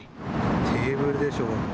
テーブルでしょうか。